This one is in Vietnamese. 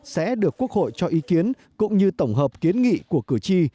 sẽ được quốc hội cho ý kiến cũng như tổng hợp kiến nghị của cử tri